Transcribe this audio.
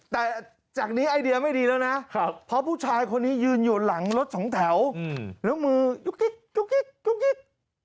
แต่จากนี้ไอเดียไม่ดีแล้วนะพอผู้ชายคนนี้ยืนอยู่หลังรถสองแถวแล้วมือยุ๊กกิ๊กยุ๊กกิ๊กยุ๊กกิ๊ก